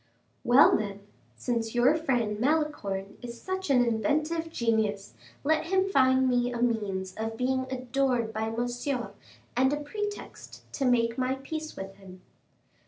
"Well, then, since your friend Malicorne is such an inventive genius, let him find me a means of being adored by Monsieur, and a pretext to make my peace with him."